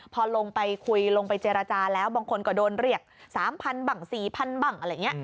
พอลงไปคุยลงไปเจรจาแล้วบางคนก็โดนเรียกสามพันบังสี่พันบังอะไรเงี้ย